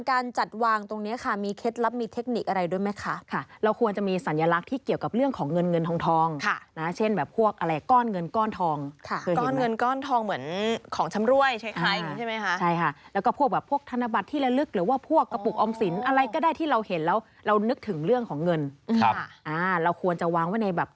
การจัดวางตรงเนี้ยค่ะมีเคล็ดลับมีเทคนิคอะไรด้วยไหมคะค่ะเราควรจะมีสัญลักษณ์ที่เกี่ยวกับเรื่องของเงินเงินทองทองค่ะนะเช่นแบบพวกอะไรก้อนเงินก้อนทองค่ะก้อนเงินก้อนทองเหมือนของชำรวยใช้ให้ใช่ไหมคะใช่ค่ะแล้วก็พวกแบบพวกธนบัตรที่ละลึกหรือว่าพวกกระปุกออมสินอะไรก็ได้ที่เราเห็นแล้วเรานึกถึงเรื่องของเงินครับอ่าเราควรจะวางไว้ในแบบ